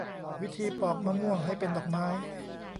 วิธีปอกมะม่วงให้เป็นดอกไม้